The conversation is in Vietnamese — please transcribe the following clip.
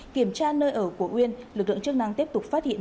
kiểm tra nơi ở của uyên lực lượng chức năng tiếp tục phát hiện